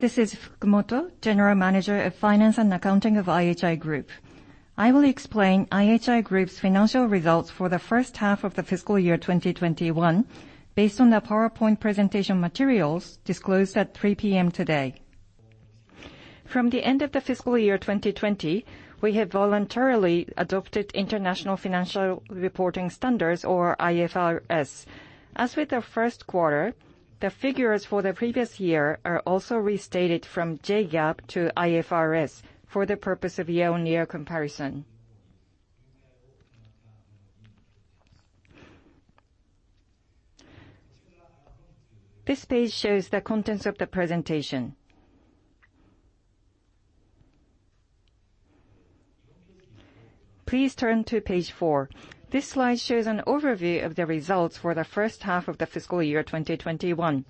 This is Mr. Fukumoto, General Manager of Finance and Accounting of IHI Group. I will explain IHI Group's financial results for the first half of the fiscal year 2021 based on the PowerPoint presentation materials disclosed at 3 P.M. today. From the end of the fiscal year 2020, we have voluntarily adopted International Financial Reporting Standards, or IFRS. As with the first quarter, the figures for the previous year are also restated from JGAAP to IFRS for the purpose of year-on-year comparison. This page shows the contents of the presentation. Please turn to page 4. This slide shows an overview of the results for the first half of the fiscal year 2021.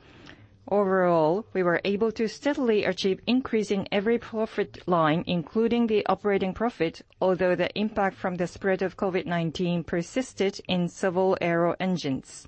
Overall, we were able to steadily achieve increases in every profit line, including the operating profit, although the impact from the spread of COVID-19 persisted in civil aero engines.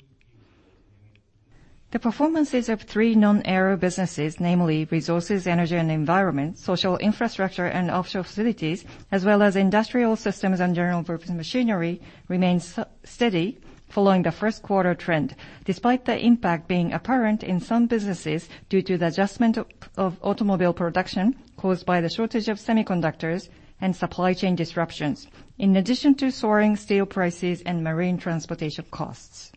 The performances of three non-aero businesses, namely Resources, Energy and Environment, Social Infrastructure and Offshore Facilities, as well as Industrial Systems and General-Purpose Machinery, remained steady following the first quarter trend, despite the impact being apparent in some businesses due to the adjustment of automobile production caused by the shortage of semiconductors and supply chain disruptions, in addition to soaring steel prices and marine transportation costs.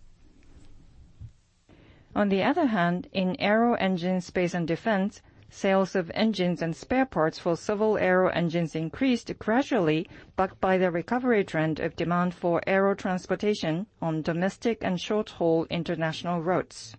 On the other hand, in aerospace and defense, sales of engines and spare parts for civil aero engines increased gradually backed by the recovery trend of demand for aero transportation on domestic and short-haul international routes.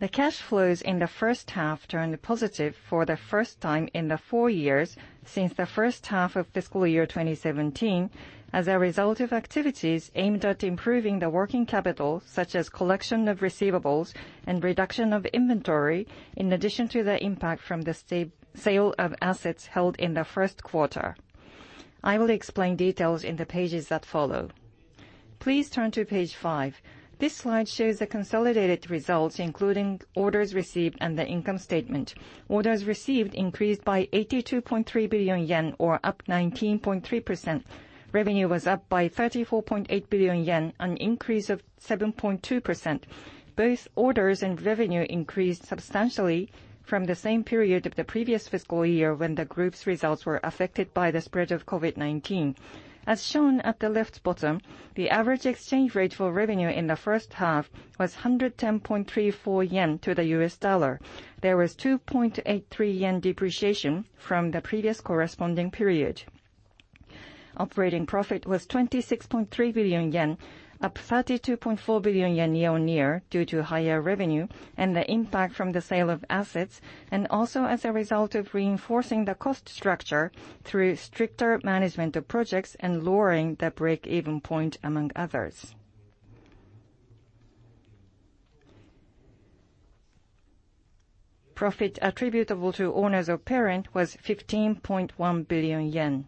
The cash flows in the first half turned positive for the first time in the four years since the first half of fiscal year 2017 as a result of activities aimed at improving the working capital, such as collection of receivables and reduction of inventory, in addition to the impact from the sale of assets held in the first quarter. I will explain details in the pages that follow. Please turn to page 5. This slide shows the consolidated results, including orders received and the income statement. Orders received increased by 82.3 billion yen, or up 19.3%. Revenue was up by 34.8 billion yen, an increase of 7.2%. Both orders and revenue increased substantially from the same period of the previous fiscal year when the group's results were affected by the spread of COVID-19. As shown at the left bottom, the average exchange rate for revenue in the first half was 110.34 yen to the US dollar. There was 2.83 yen depreciation from the previous corresponding period. Operating profit was 26.3 billion yen, up 32.4 billion yen year-on-year due to higher revenue and the impact from the sale of assets, and also as a result of reinforcing the cost structure through stricter management of projects and lowering the break-even point, among others. Profit attributable to owners of parent was 15.1 billion yen.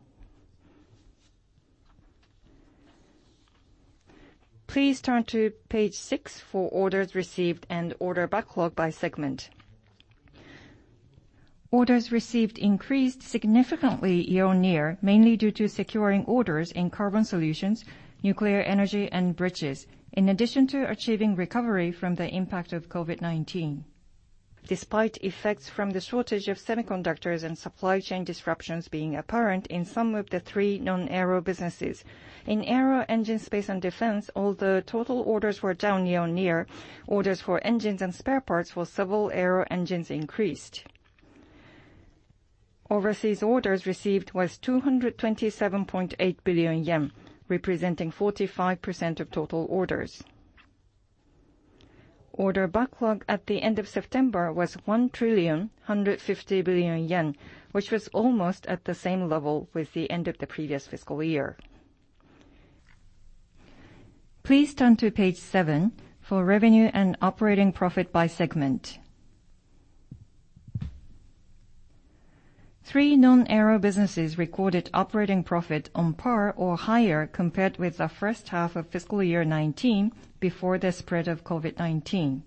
Please turn to page 6 for orders received and order backlog by segment. Orders received increased significantly year-on-year, mainly due to securing orders in carbon solutions, nuclear energy, and bridges, in addition to achieving recovery from the impact of COVID-19, despite effects from the shortage of semiconductors and supply chain disruptions being apparent in some of the three non-aero businesses. In aero engine space and defense, although total orders were down year-on-year, orders for engines and spare parts for civil aero engines increased. Overseas orders received was 227.8 billion yen, representing 45% of total orders. Order backlog at the end of September was 1,150 billion yen, which was almost at the same level with the end of the previous fiscal year. Please turn to page 7 for revenue and operating profit by segment. Three non-aero businesses recorded operating profit on par or higher compared with the first half of fiscal year 2019 before the spread of COVID-19.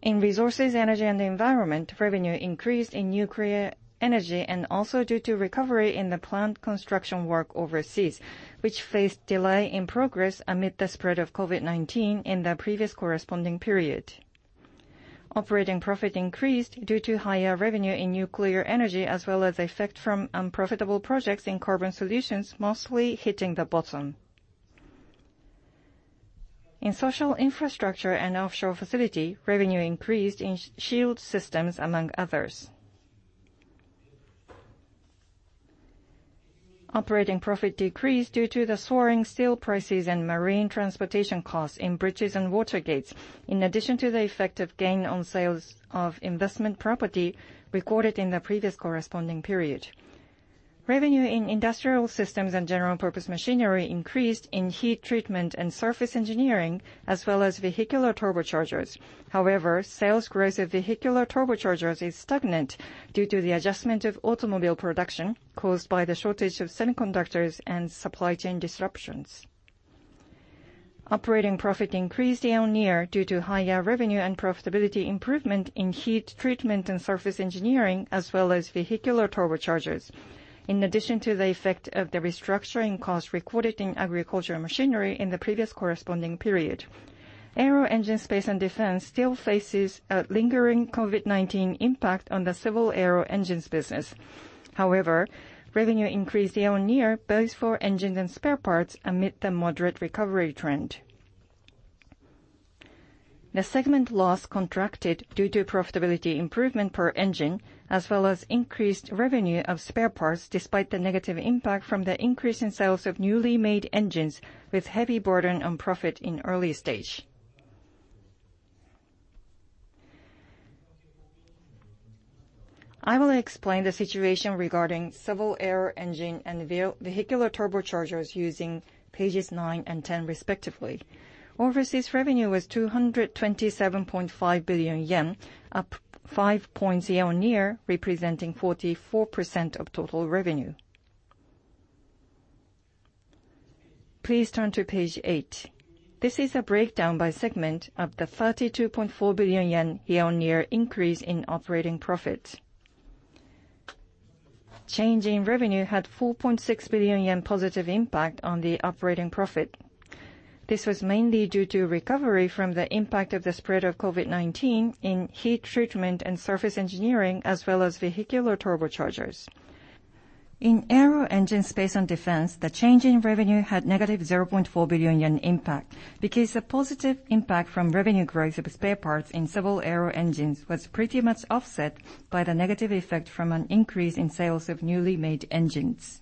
In Resources, Energy, and Environment, revenue increased in nuclear energy and also due to recovery in the plant construction work overseas, which faced delay in progress amid the spread of COVID-19 in the previous corresponding period. Operating profit increased due to higher revenue in nuclear energy as well as effect from unprofitable projects in Carbon Solutions mostly hitting the bottom. In Social Infrastructure and Offshore Facilities, revenue increased in shield systems, among others. Operating profit decreased due to the soaring steel prices and marine transportation costs in bridges and water gates, in addition to the effect of gain on sales of investment property recorded in the previous corresponding period. Revenue in Industrial Systems and General-Purpose Machinery increased in heat treatment and surface engineering, as well as vehicular turbochargers. However, sales growth of vehicular turbochargers is stagnant due to the adjustment of automobile production caused by the shortage of semiconductors and supply chain disruptions. Operating Profit increased year-on-year due to higher revenue and profitability improvement in heat treatment and surface engineering, as well as vehicular turbochargers, in addition to the effect of the restructuring costs recorded in agricultural machinery in the previous corresponding period. Aero Engines, Space and Defense still faces a lingering COVID-19 impact on the civil aero engines business. However, revenue increased year-on-year both for engines and spare parts amid the moderate recovery trend. The segment loss contracted due to profitability improvement per engine, as well as increased revenue of spare parts, despite the negative impact from the increase in sales of newly made engines with heavy burden on profit in early stage. I will explain the situation regarding civil aero engine and vehicular turbochargers using pages 9 and 10 respectively. Overseas revenue was 227.5 billion yen, up 5.0% year-on-year, representing 44% of total revenue. Please turn to page 8. This is a breakdown by segment of the 32.4 billion yen year-on-year increase in operating profit. Change in revenue had 4.6 billion yen positive impact on the operating profit. This was mainly due to recovery from the impact of the spread of COVID-19 in heat treatment and surface engineering, as well as vehicular turbochargers. In Aero Engine, Space and Defense, the change in revenue had -0.4 billion yen impact, because the positive impact from revenue growth of spare parts in civil aero engines was pretty much offset by the negative effect from an increase in sales of newly made engines.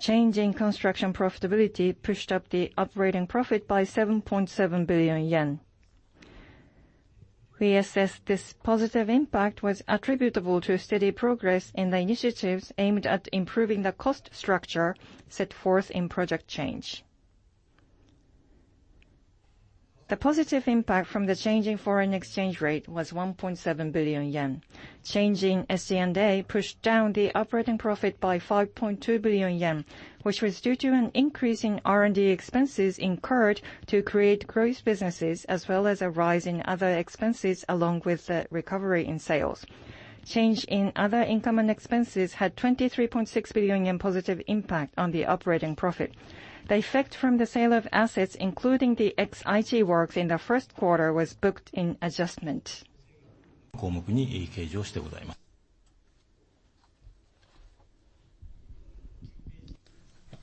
Change in construction profitability pushed up the operating profit by 7.7 billion yen. We assess this positive impact was attributable to steady progress in the initiatives aimed at improving the cost structure set forth in Project Change. The positive impact from the change in foreign exchange rate was 1.7 billion yen. Change in SG&A pushed down the operating profit by 5.2 billion yen, which was due to an increase in R&D expenses incurred to create growth businesses, as well as a rise in other expenses along with the recovery in sales. change in other income and expenses had 23.6 billion yen positive impact on the Operating Profit. The effect from the sale of assets, including the ex IT works in the first quarter, was booked in adjustment.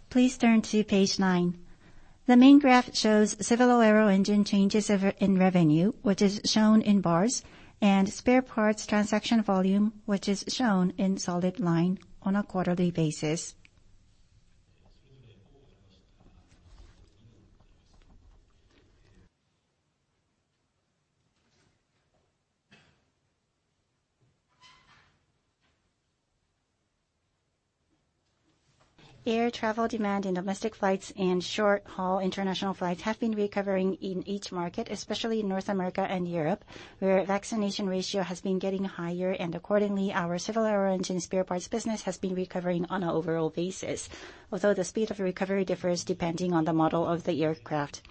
Please turn to page 9. The main graph shows civil aero engine changes of, in revenue, which is shown in bars, and spare parts transaction volume, which is shown in solid line on a quarterly basis. Air travel demand in domestic flights and short-haul international flights have been recovering in each market, especially North America and Europe, where vaccination ratio has been getting higher, and accordingly, our civil aero engine spare parts business has been recovering on an overall basis. Although the speed of recovery differs depending on the model of the aircraft.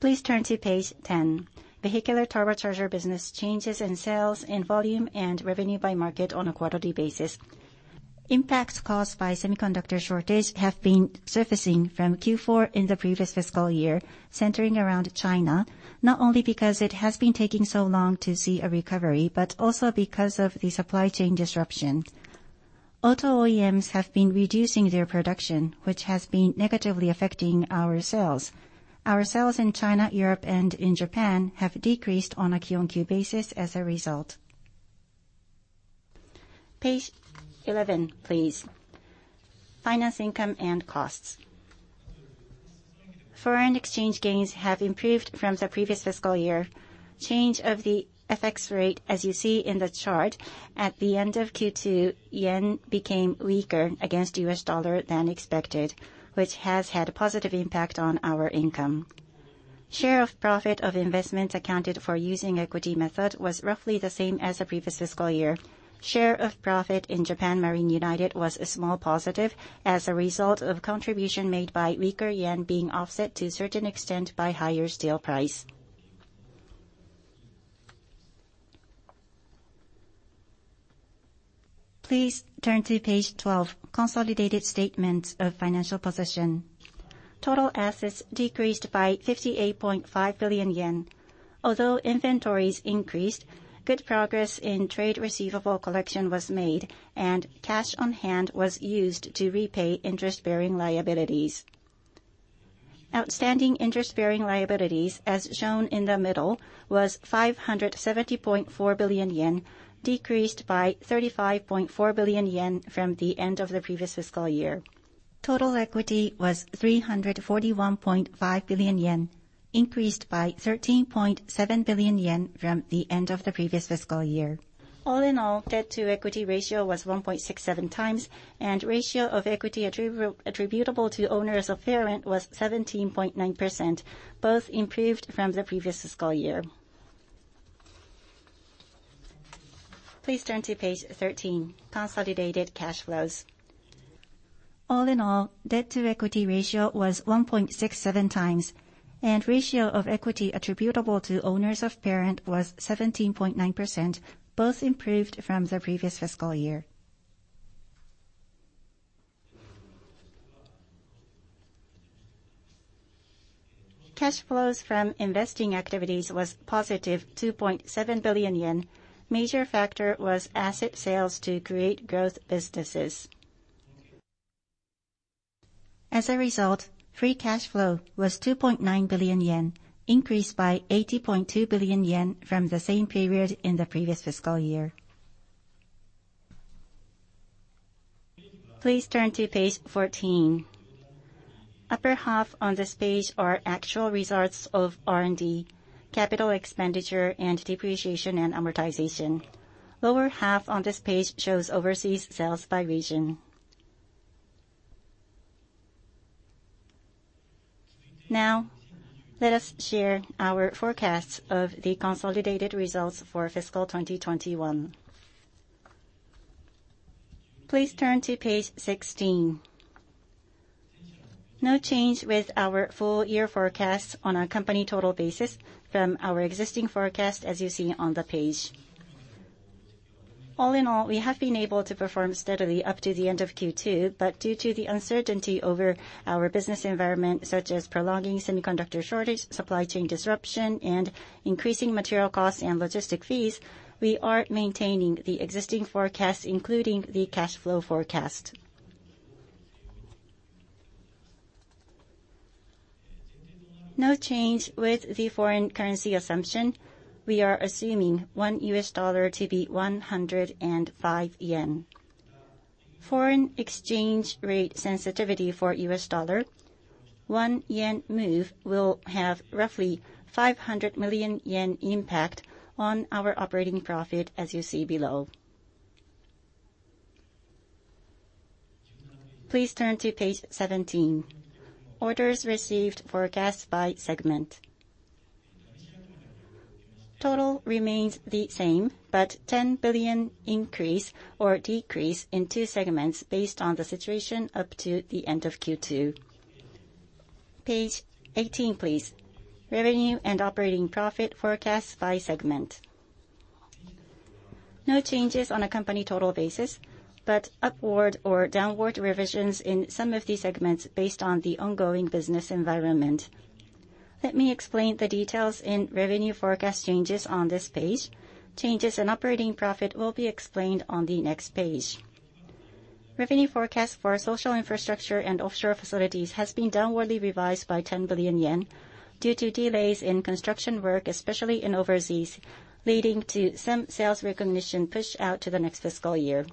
Please turn to page 10. Vehicular turbocharger business changes in sales in volume and revenue by market on a quarterly basis. Impacts caused by semiconductor shortage have been surfacing from Q4 in the previous fiscal year, centering around China, not only because it has been taking so long to see a recovery, but also because of the supply chain disruption. Auto OEMs have been reducing their production, which has been negatively affecting our sales. Our sales in China, Europe, and in Japan have decreased on a quarter-on-quarter basis as a result. Page 11, please. Finance income and costs. Foreign exchange gains have improved from the previous fiscal year. Change of the FX rate, as you see in the chart, at the end of Q2, yen became weaker against U.S. dollar than expected, which has had a positive impact on our income. Share of profit of investment accounted for using equity method was roughly the same as the previous fiscal year. Share of profit in Japan Marine United was a small positive as a result of contribution made by weaker yen being offset to a certain extent by higher steel price. Please turn to page 12, consolidated statements of financial position. Total assets decreased by 58.5 billion yen. Although inventories increased, good progress in trade receivable collection was made, and cash on hand was used to repay interest-bearing liabilities. Outstanding interest-bearing liabilities, as shown in the middle, was 570.4 billion yen, decreased by 35.4 billion yen from the end of the previous fiscal year. Total equity was 341.5 billion yen, increased by 13.7 billion yen from the end of the previous fiscal year. All in all, debt-to-equity ratio was 1.67 times, and ratio of equity attributable to owners of parent was 17.9%, both improved from the previous fiscal year. Please turn to page 13, consolidated cash flows. Cash flows from investing activities was positive JPY 2.7 billion. Major factor was asset sales to create growth businesses. As a result, free cash flow was 2.9 billion yen, increased by 80.2 billion yen from the same period in the previous fiscal year. Please turn to page 14. Upper half on this page are actual results of R&D, capital expenditure, and depreciation and amortization. Lower half on this page shows overseas sales by region. Now let us share our forecasts of the consolidated results for fiscal 2021. Please turn to page 16. No change with our full year forecast on a company total basis from our existing forecast as you see on the page. All in all, we have been able to perform steadily up to the end of Q2, but due to the uncertainty over our business environment such as prolonging semiconductor shortage, supply chain disruption, and increasing material costs and logistic fees, we are maintaining the existing forecast, including the cash flow forecast. No change with the foreign currency assumption. We are assuming 1 US dollar to be 105 yen. Foreign exchange rate sensitivity for US dollar, 1 yen move will have roughly 500 million yen impact on our operating profit as you see below. Please turn to page 17, orders received forecasts by segment. Total remains the same, but 10 billion increase or decrease in two segments based on the situation up to the end of Q2. Page 18, please. Revenue and Operating Profit forecast by segment. No changes on a company total basis, but upward or downward revisions in some of the segments based on the ongoing business environment. Let me explain the details in revenue forecast changes on this page. Changes in operating profit will be explained on the next page. Revenue forecast for Social Infrastructure and Offshore Facilities has been downwardly revised by 10 billion yen due to delays in construction work, especially in overseas, leading to some sales recognition push out to the next fiscal year.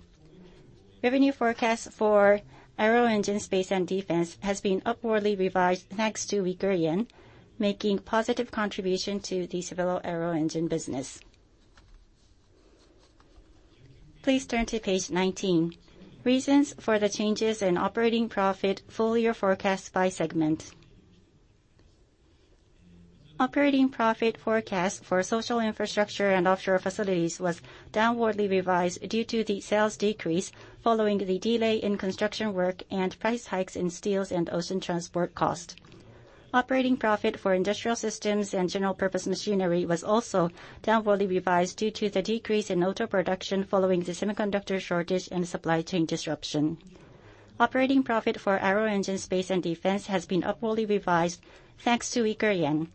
Revenue forecast for Aero Engine, Space & Defense has been upwardly revised thanks to weaker yen, making positive contribution to the civil aero engine business. Please turn to page 19, reasons for the changes in operating profit full-year forecast by segment. Operating profit forecast for Social Infrastructure and Offshore Facilities was downwardly revised due to the sales decrease following the delay in construction work and price hikes in steel and ocean transport cost. Operating profit for Industrial Systems and General-Purpose Machinery was also downwardly revised due to the decrease in auto production following the semiconductor shortage and supply chain disruption. Operating profit for Aero Engine, Space & Defense has been upwardly revised thanks to weaker yen.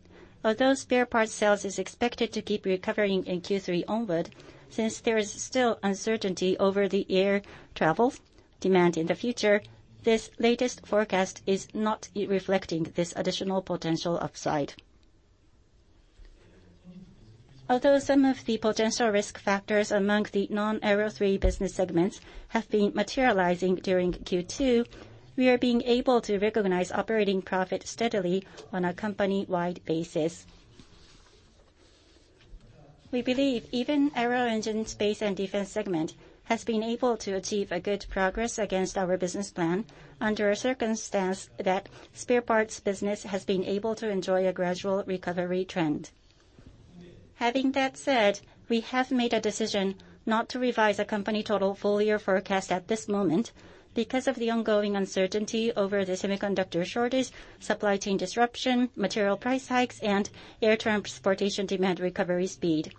Although spare parts sales is expected to keep recovering in Q3 onward, since there is still uncertainty over the air travel demand in the future, this latest forecast is not reflecting this additional potential upside. Although some of the potential risk factors among the non-aero engine business segments have been materializing during Q2, we are being able to recognize operating profit steadily on a company-wide basis. We believe even aero engine space and defense segment has been able to achieve a good progress against our business plan under a circumstance that spare parts business has been able to enjoy a gradual recovery trend. Having that said, we have made a decision not to revise a company total full year forecast at this moment because of the ongoing uncertainty over the semiconductor shortage, supply chain disruption, material price hikes, and air transportation demand recovery speed.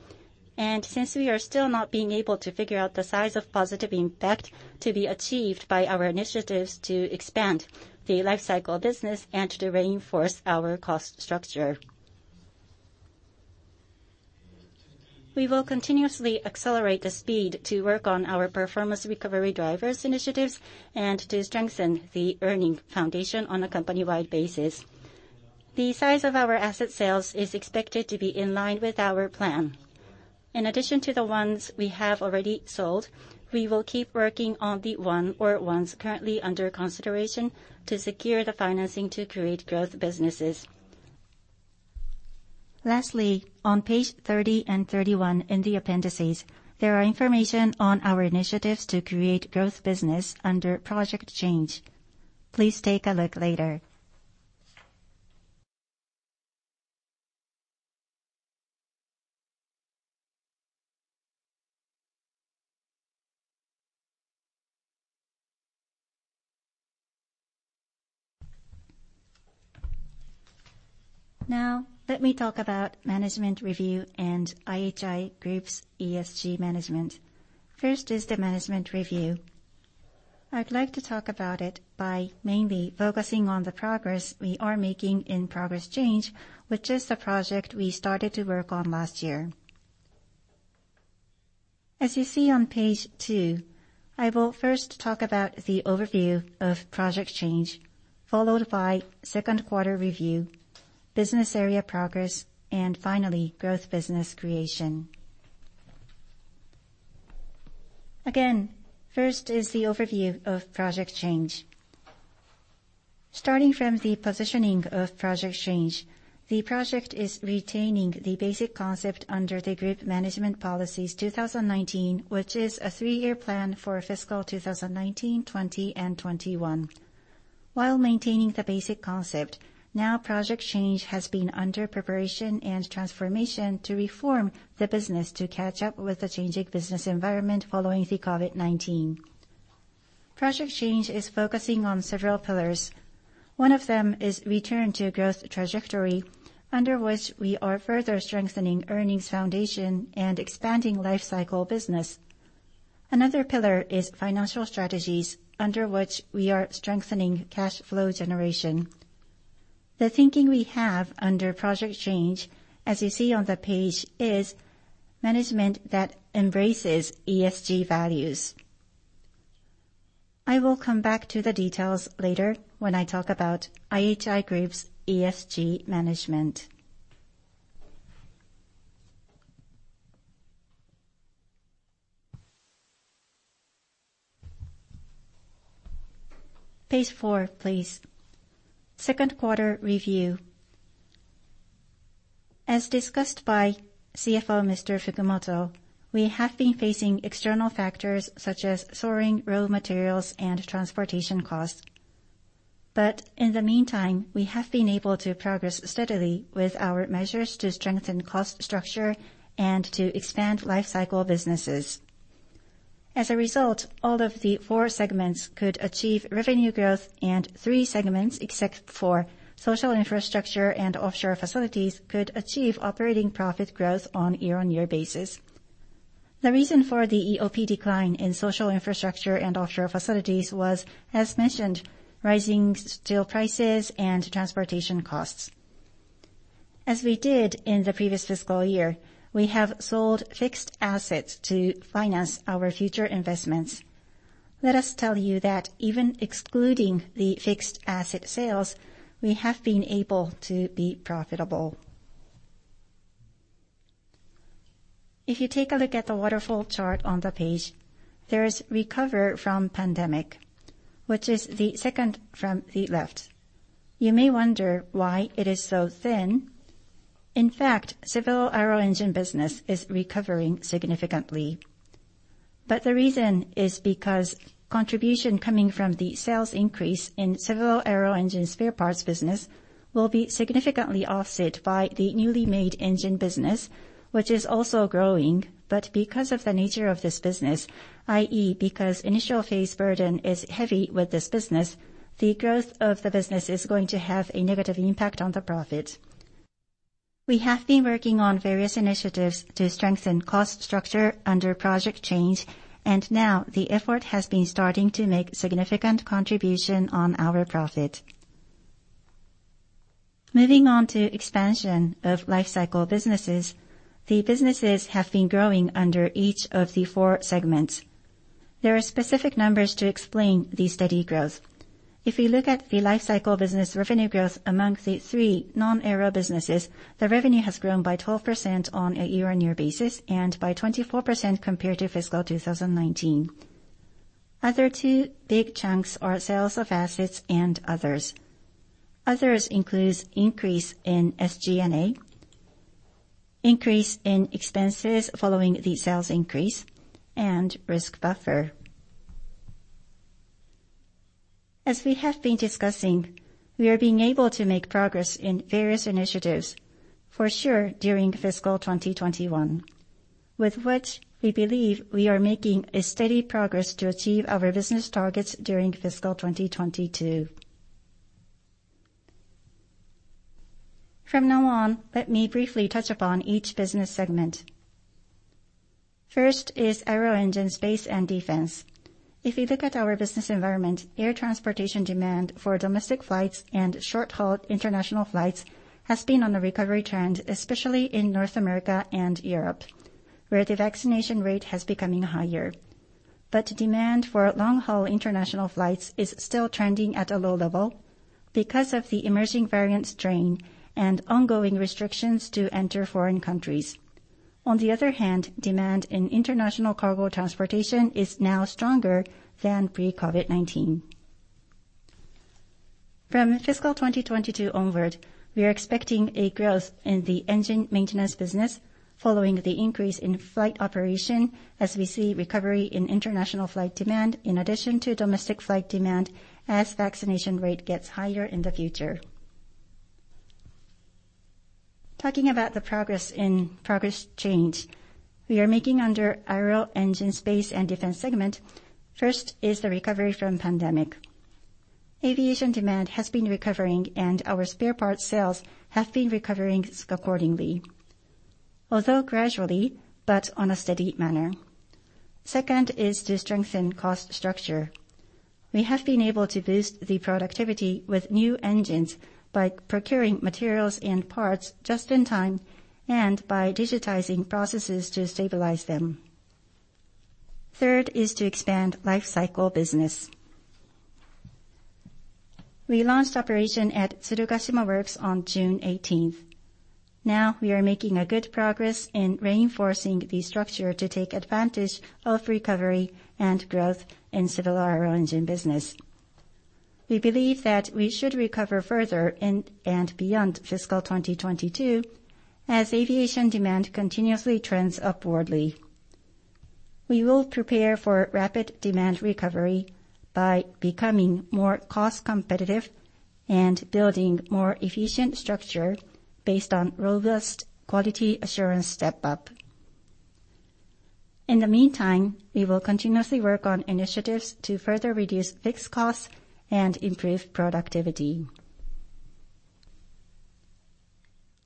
Since we are still not being able to figure out the size of positive impact to be achieved by our initiatives to expand the life cycle business and to reinforce our cost structure. We will continuously accelerate the speed to work on our performance recovery drivers initiatives and to strengthen the earning foundation on a company-wide basis. The size of our asset sales is expected to be in line with our plan. In addition to the ones we have already sold, we will keep working on the one or ones currently under consideration to secure the financing to create growth businesses. Lastly, on page 30 and 31 in the appendices, there are information on our initiatives to create growth business under Project Change. Please take a look later. Now let me talk about management review and IHI Group's ESG management. First is the management review. I'd like to talk about it by mainly focusing on the progress we are making in Project Change, which is the project we started to work on last year. As you see on page 2, I will first talk about the overview of Project Change, followed by second quarter review, business area progress, and finally, growth business creation. Again, first is the overview of Project Change. Starting from the positioning of Project Change, the project is retaining the basic concept under the Group Management Policies 2019, which is a three-year plan for fiscal 2019, 2020, and 2021. While maintaining the basic concept, now Project Change has been under preparation and transformation to reform the business to catch up with the changing business environment following the COVID-19. Project Change is focusing on several pillars. One of them is return to growth trajectory, under which we are further strengthening earnings foundation and expanding life cycle business. Another pillar is financial strategies, under which we are strengthening cash flow generation. The thinking we have under Project Change, as you see on the page, is management that embraces ESG values. I will come back to the details later when I talk about IHI Group's ESG management. Page four, please. Second quarter review. As discussed by CFO Mr. Fukumoto, we have been facing external factors such as soaring raw materials and transportation costs. In the meantime, we have been able to progress steadily with our measures to strengthen cost structure and to expand life cycle businesses. As a result, all of the four segments could achieve revenue growth and three segments except for social infrastructure and offshore facilities could achieve operating profit growth on a year-on-year basis. The reason for the OP decline in social infrastructure and offshore facilities was, as mentioned, rising steel prices and transportation costs. As we did in the previous fiscal year, we have sold fixed assets to finance our future investments. Let us tell you that even excluding the fixed asset sales, we have been able to be profitable. If you take a look at the waterfall chart on the page, there is recovery from pandemic, which is the second from the left. You may wonder why it is so thin. In fact, civil aero engine business is recovering significantly. The reason is because contribution coming from the sales increase in civil aero engine spare parts business will be significantly offset by the newly made engine business, which is also growing. Because of the nature of this business, i.e., because initial phase burden is heavy with this business, the growth of the business is going to have a negative impact on the profit. We have been working on various initiatives to strengthen cost structure under Project Change, and now the effort has been starting to make significant contribution on our profit. Moving on to expansion of life cycle businesses. The businesses have been growing under each of the four segments. There are specific numbers to explain the steady growth. If we look at the life cycle business revenue growth among the three non-aero businesses, the revenue has grown by 12% on a year-on-year basis, and by 24% compared to fiscal 2019. Other two big chunks are sales of assets and others. Others includes increase in SG&A, increase in expenses following the sales increase, and risk buffer. As we have been discussing, we have been able to make progress in various initiatives, for sure during fiscal 2021, with which we believe we are making a steady progress to achieve our business targets during fiscal 2022. From now on, let me briefly touch upon each business segment. First is Aero Engines, Space, and Defense. If you look at our business environment, air transportation demand for domestic flights and short-haul international flights has been on a recovery trend, especially in North America and Europe, where the vaccination rate is becoming higher. Demand for long-haul international flights is still trending at a low level because of the emerging variant strain and ongoing restrictions to enter foreign countries. On the other hand, demand in international cargo transportation is now stronger than pre-COVID-19. From fiscal 2022 onward, we are expecting a growth in the engine maintenance business. Following the increase in flight operation as we see recovery in international flight demand, in addition to domestic flight demand as vaccination rate gets higher in the future. Talking about the progress in Project Change we are making under Aero Engine, Space and Defense segment, first is the recovery from pandemic. Aviation demand has been recovering, and our spare parts sales have been recovering accordingly, although gradually, but on a steady manner. Second is to strengthen cost structure. We have been able to boost the productivity with new engines by procuring materials and parts just in time and by digitizing processes to stabilize them. Third is to expand life cycle business. We launched operation at Tsurugashima Works on June 18th. Now we are making good progress in reinforcing the structure to take advantage of recovery and growth in civil aero engine business. We believe that we should recover further in and beyond fiscal 2022 as aviation demand continuously trends upwardly. We will prepare for rapid demand recovery by becoming more cost competitive and building more efficient structure based on robust quality assurance step-up. In the meantime, we will continuously work on initiatives to further reduce fixed costs and improve productivity.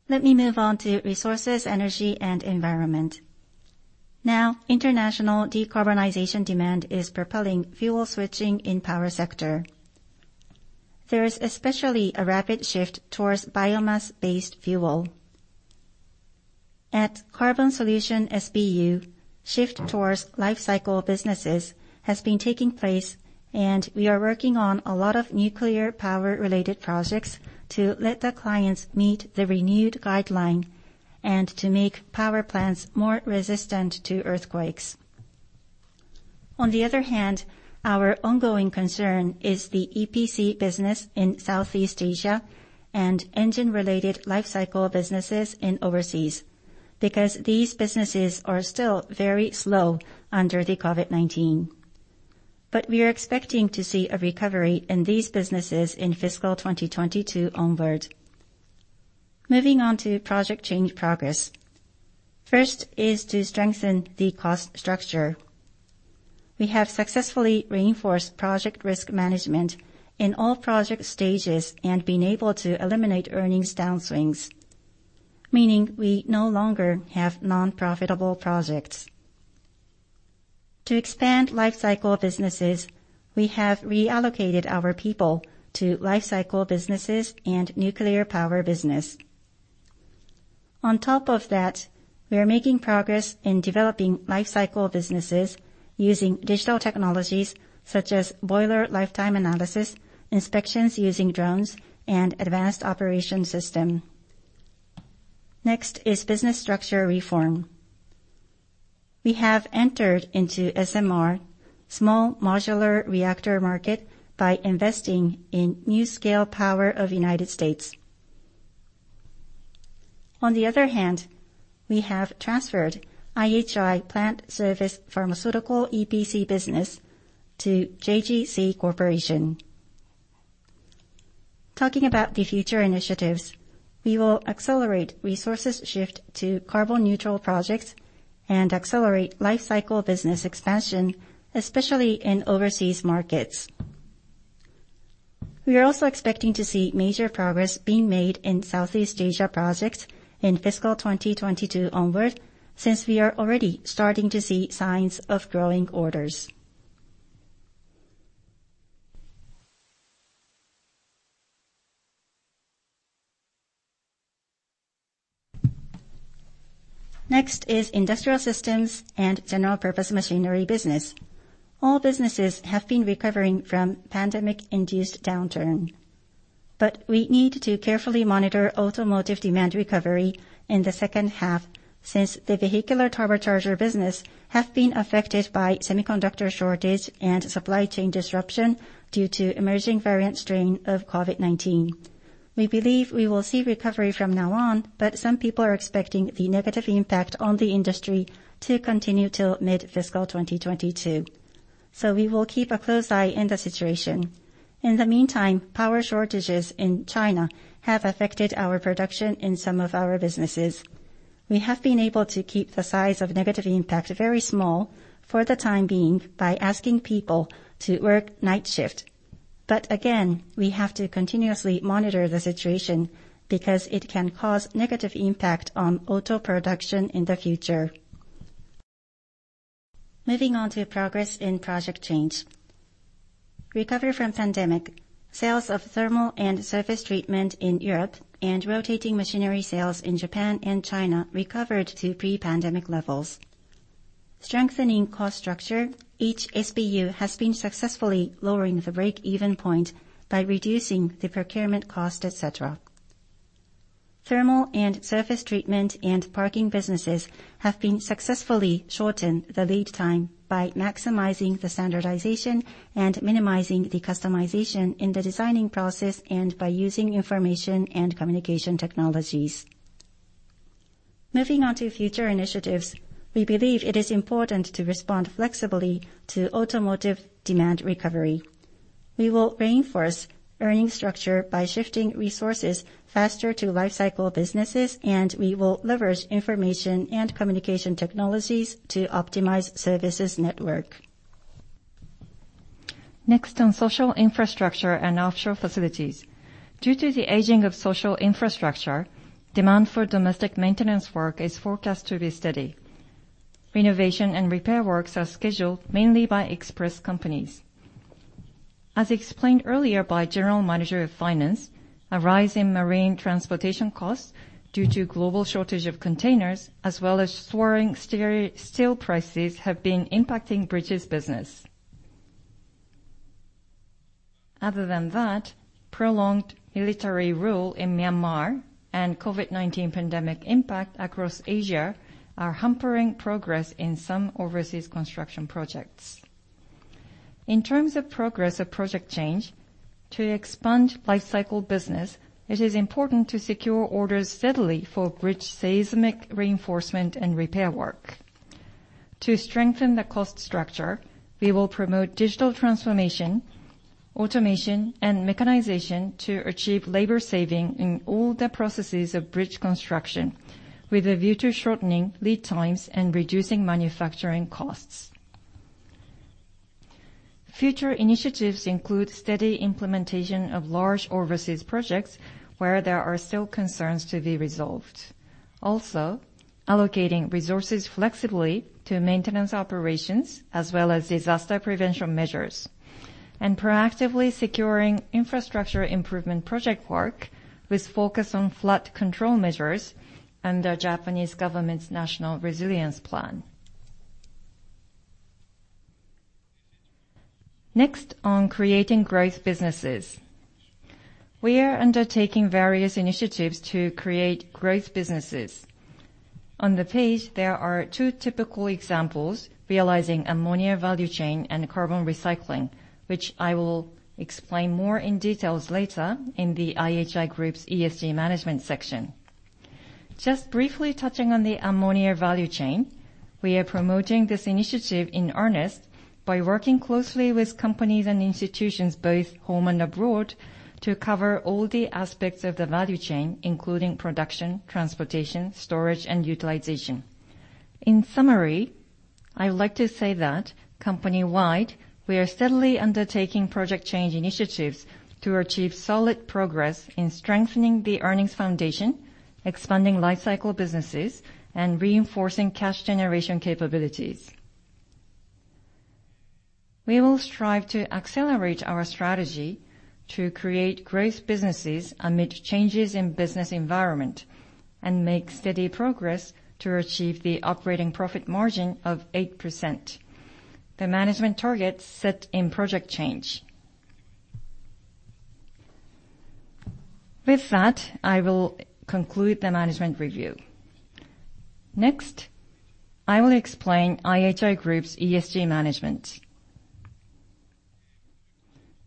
Let me move on to Resources, Energy, and Environment. Now, international decarbonization demand is propelling fuel switching in power sector. There is especially a rapid shift towards biomass-based fuel. At Carbon Solution SBU, shift towards life cycle businesses has been taking place, and we are working on a lot of nuclear power-related projects to let the clients meet the renewed guideline and to make power plants more resistant to earthquakes. On the other hand, our ongoing concern is the EPC business in Southeast Asia and engine-related life cycle businesses overseas, because these businesses are still very slow under COVID-19. We are expecting to see a recovery in these businesses in fiscal 2022 onward. Moving on to Project Change progress. First is to strengthen the cost structure. We have successfully reinforced project risk management in all project stages and been able to eliminate earnings downswings, meaning we no longer have non-profitable projects. To expand life cycle businesses, we have reallocated our people to life cycle businesses and nuclear power business. On top of that, we are making progress in developing life cycle businesses using digital technologies such as boiler lifetime analysis, inspections using drones, and advanced operation system. Next is business structure reform. We have entered into SMR, small modular reactor market, by investing in NuScale Power of the United States. On the other hand, we have transferred IHI Plant Services pharmaceutical EPC business to JGC Corporation. Talking about the future initiatives, we will accelerate resources shift to carbon neutral projects and accelerate life cycle business expansion, especially in overseas markets. We are also expecting to see major progress being made in Southeast Asia projects in fiscal 2022 onward since we are already starting to see signs of growing orders. Next is industrial systems and general purpose machinery business. All businesses have been recovering from pandemic-induced downturn. We need to carefully monitor automotive demand recovery in the second half since the vehicular turbocharger business have been affected by semiconductor shortage and supply chain disruption due to emerging variant strain of COVID-19. We believe we will see recovery from now on, but some people are expecting the negative impact on the industry to continue till mid-FY 2022. We will keep a close eye in the situation. In the meantime, power shortages in China have affected our production in some of our businesses. We have been able to keep the size of negative impact very small for the time being by asking people to work night shift. Again, we have to continuously monitor the situation because it can cause negative impact on auto production in the future. Moving on to progress in Project Change. Recovery from pandemic. Sales of Thermal and Surface Treatment in Europe and Rotating Machinery sales in Japan and China recovered to pre-pandemic levels, strengthening cost structure, each SBU has been successfully lowering the break-even point by reducing the procurement cost, et cetera. Thermal and Surface Treatment and plant businesses have successfully shortened the lead time by maximizing the standardization and minimizing the customization in the designing process and by using information and communication technologies. Moving on to future initiatives, we believe it is important to respond flexibly to automotive demand recovery. We will reinforce earning structure by shifting resources faster to life cycle businesses, and we will leverage information and communication technologies to optimize services network. Next, on social infrastructure and offshore facilities. Due to the aging of social infrastructure, demand for domestic maintenance work is forecast to be steady. Renovation and repair works are scheduled mainly by express companies. As explained earlier by General Manager of Finance, a rise in marine transportation costs due to global shortage of containers, as well as soaring steel prices, have been impacting bridges business. Other than that, prolonged military rule in Myanmar and COVID-19 pandemic impact across Asia are hampering progress in some overseas construction projects. In terms of progress of Project Change, to expand life cycle business, it is important to secure orders steadily for bridge seismic reinforcement and repair work. To strengthen the cost structure, we will promote digital transformation, automation, and mechanization to achieve labor saving in all the processes of bridge construction, with a view to shortening lead times and reducing manufacturing costs. Future initiatives include steady implementation of large overseas projects where there are still concerns to be resolved, allocating resources flexibly to maintenance operations as well as disaster prevention measures, and proactively securing infrastructure improvement project work with focus on flood control measures and the Japanese government's National Resilience Plan. Next on creating growth businesses. We are undertaking various initiatives to create growth businesses. On the page, there are two typical examples, realizing ammonia value chain and carbon recycling, which I will explain more in detail later in the IHI Group's ESG management section. Just briefly touching on the ammonia value chain, we are promoting this initiative in earnest by working closely with companies and institutions, both home and abroad, to cover all the aspects of the value chain, including production, transportation, storage, and utilization. In summary, I would like to say that company-wide, we are steadily undertaking Project Change initiatives to achieve solid progress in strengthening the earnings foundation, expanding life cycle businesses, and reinforcing cash generation capabilities. We will strive to accelerate our strategy to create growth businesses amid changes in business environment and make steady progress to achieve the operating profit margin of 8%, the management targets set in Project Change. With that, I will conclude the management review. Next, I will explain IHI Group's ESG management.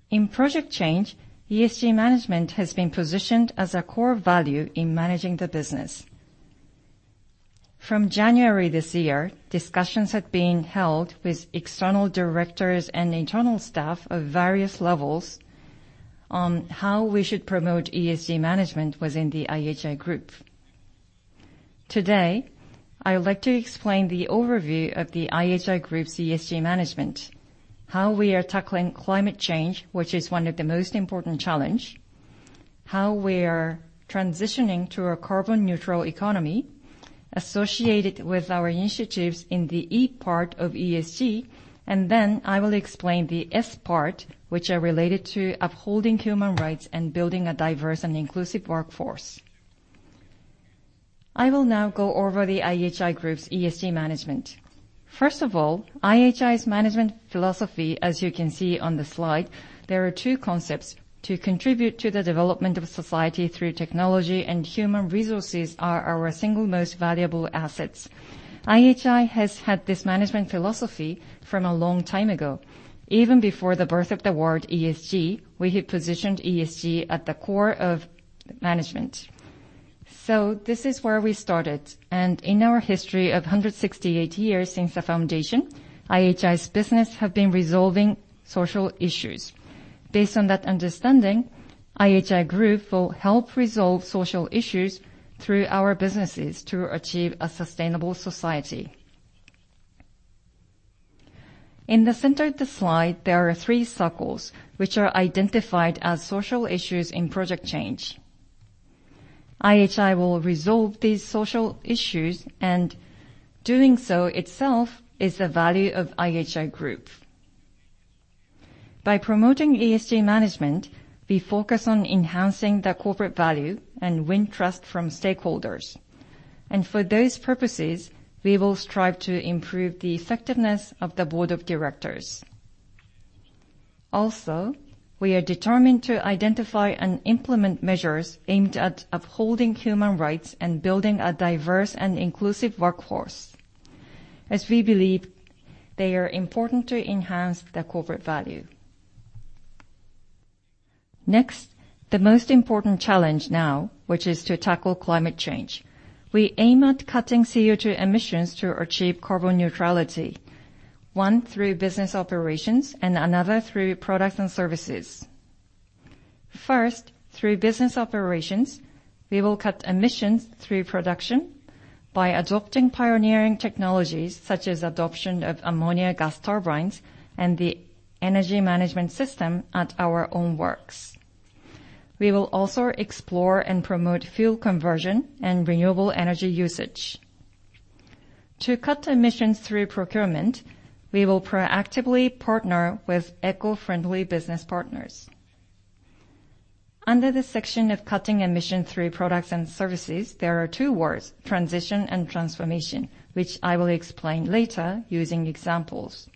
In Project Change, ESG management has been positioned as a core value in managing the business. From January this year, discussions have been held with external directors and internal staff of various levels on how we should promote ESG management within the IHI Group. Today, I would like to explain the overview of the IHI Group's ESG management, how we are tackling climate change, which is one of the most important challenge, how we are transitioning to a carbon-neutral economy associated with our initiatives in the E part of ESG, and then I will explain the S part, which are related to upholding human rights and building a diverse and inclusive workforce. I will now go over the IHI Group's ESG management. First of all, IHI's management philosophy, as you can see on the slide, there are two concepts: to contribute to the development of society through technology, and human resources are our single most valuable assets. IHI has had this management philosophy from a long time ago. Even before the birth of the word ESG, we had positioned ESG at the core of management. This is where we started, and in our history of 168 years since the foundation, IHI's businesses have been resolving social issues. Based on that understanding, IHI Group will help resolve social issues through our businesses to achieve a sustainable society. In the center of the slide, there are three circles which are identified as social issues in Project Change. IHI will resolve these social issues, and doing so itself is the value of IHI Group. By promoting ESG management, we focus on enhancing the corporate value and win trust from stakeholders. For those purposes, we will strive to improve the effectiveness of the board of directors. Also, we are determined to identify and implement measures aimed at upholding human rights and building a diverse and inclusive workforce, as we believe they are important to enhance the corporate value. Next, the most important challenge now, which is to tackle climate change. We aim at cutting CO2 emissions to achieve carbon neutrality, one through business operations and another through products and services. First, through business operations, we will cut emissions through production by adopting pioneering technologies such as adoption of ammonia gas turbines and the energy management system at our own works. We will also explore and promote fuel conversion and renewable energy usage. To cut emissions through procurement, we will proactively partner with eco-friendly business partners. Under this section of cutting emissions through products and services, there are two words, transition and transformation, which I will explain later using examples.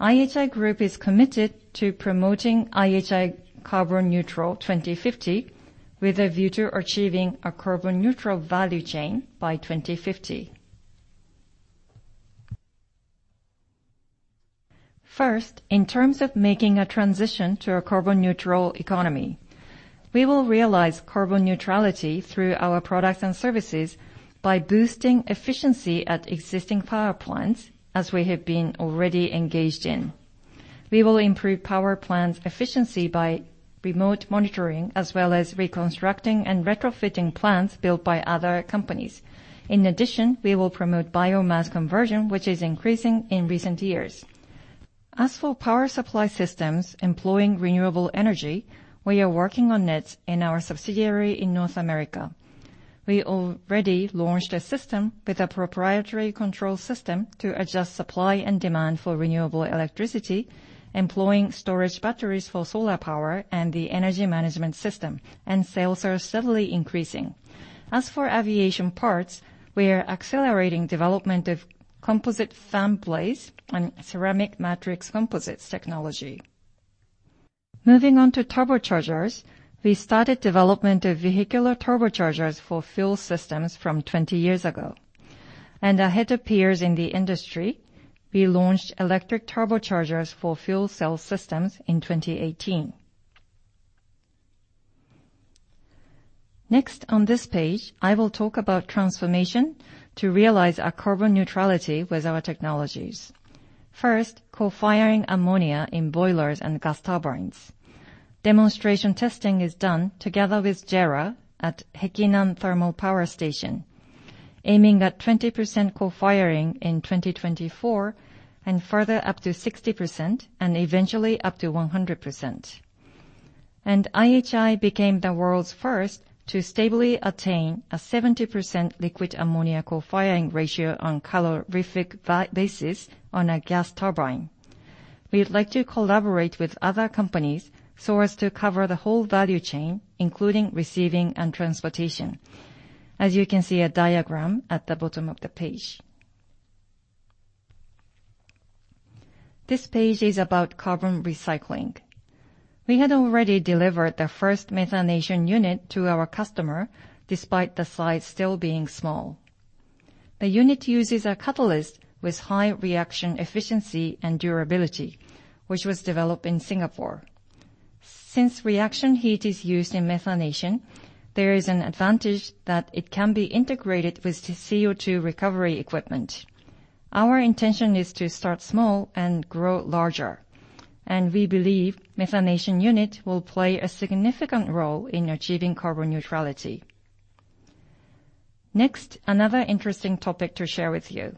IHI Group is committed to promoting IHI Carbon Neutral 2050 with a view to achieving a carbon-neutral value chain by 2050. First, in terms of making a transition to a carbon-neutral economy, we will realize carbon neutrality through our products and services by boosting efficiency at existing power plants as we have been already engaged in. We will improve power plant efficiency by remote monitoring, as well as reconstructing and retrofitting plants built by other companies. In addition, we will promote biomass conversion, which is increasing in recent years. As for power supply systems employing renewable energy, we are working on Terrasun in our subsidiary in North America. We already launched a system with a proprietary control system to adjust supply and demand for renewable electricity, employing storage batteries for solar power and the energy management system, and sales are steadily increasing. As for aviation parts, we are accelerating development of composite fan blades and ceramic matrix composites technology. Moving on to turbochargers, we started development of vehicular turbochargers for fuel systems from 20 years ago. Ahead of peers in the industry, we launched Electric Turbocharger for fuel cell systems in 2018. Next on this page, I will talk about transformation to realize a carbon neutrality with our technologies. First, co-firing ammonia in boilers and gas turbines. Demonstration testing is done together with JERA at Hachinohe Thermal Power Station, aiming at 20% co-firing in 2024, and further up to 60%, and eventually up to 100%. IHI became the world's first to stably attain a 70% liquid ammonia co-firing ratio on calorific basis on a gas turbine. We would like to collaborate with other companies so as to cover the whole value chain, including receiving and transportation. As you can see a diagram at the bottom of the page. This page is about carbon recycling. We had already delivered the first methanation unit to our customer, despite the size still being small. The unit uses a catalyst with high reaction efficiency and durability, which was developed in Singapore. Since reaction heat is used in methanation, there is an advantage that it can be integrated with the CO2 recovery equipment. Our intention is to start small and grow larger, and we believe methanation unit will play a significant role in achieving carbon neutrality. Next, another interesting topic to share with you,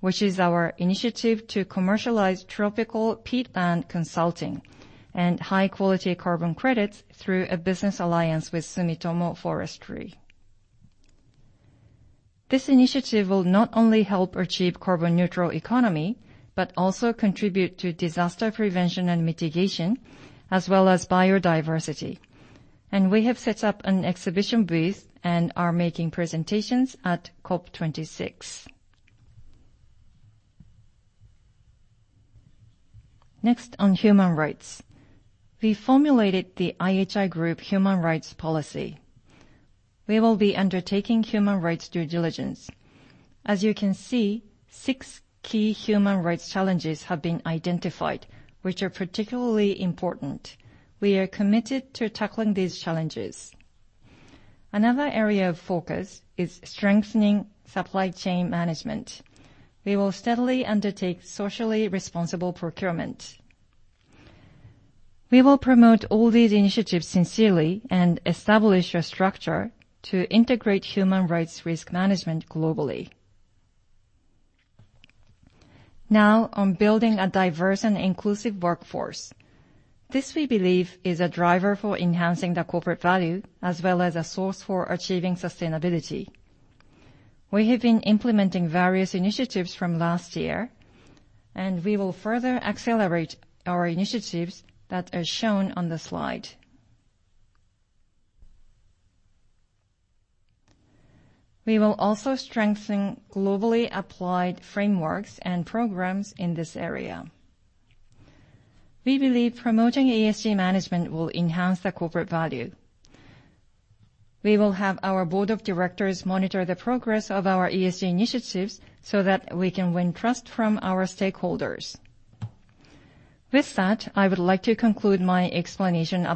which is our initiative to commercialize tropical peatland consulting and high-quality carbon credits through a business alliance with Sumitomo Forestry. This initiative will not only help achieve carbon-neutral economy, but also contribute to disaster prevention and mitigation, as well as biodiversity. We have set up an exhibition booth and are making presentations at COP26. Next on human rights. We formulated the IHI Group Human Rights Policy. We will be undertaking human rights due diligence. As you can see, six key human rights challenges have been identified, which are particularly important. We are committed to tackling these challenges. Another area of focus is strengthening supply chain management. We will steadily undertake socially responsible procurement. We will promote all these initiatives sincerely and establish a structure to integrate human rights risk management globally. Now on building a diverse and inclusive workforce. This, we believe, is a driver for enhancing the corporate value, as well as a source for achieving sustainability. We have been implementing various initiatives from last year, and we will further accelerate our initiatives that are shown on the slide. We will also strengthen globally applied frameworks and programs in this area. We believe promoting ESG management will enhance the corporate value. We will have our board of directors monitor the progress of our ESG initiatives so that we can win trust from our stakeholders. With that, I would like to conclude my explanation.